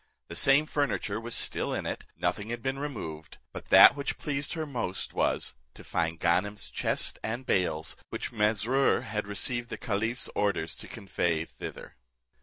The same furniture was still in it, nothing had been removed; but that which pleased her most was, to find Ganem's chests and bales, which Mesrour had received the caliph's orders to convey thither.